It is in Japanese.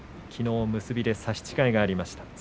きのう結びで差し違えがありました。